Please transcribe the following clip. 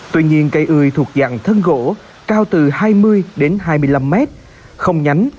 tuy nhiên cây ươi thuộc dạng thân gỗ cao từ hai mươi đến hai mươi năm mét không nhánh